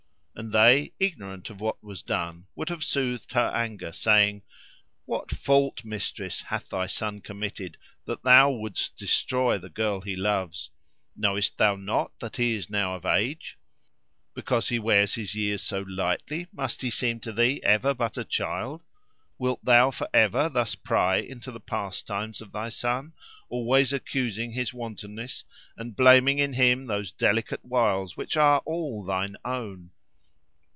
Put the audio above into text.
And they, ignorant of what was done, would have soothed her anger, saying, "What fault, Mistress, hath thy son committed, that thou wouldst destroy the girl he loves? Knowest thou not that he is now of age? Because he wears his years so lightly must he seem to thee ever but a child? Wilt thou for ever thus pry into the pastimes of thy son, always accusing his wantonness, and blaming in him those delicate wiles which are all thine own?"